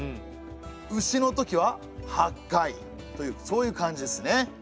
「丑のとき」は８回というそういう感じですね。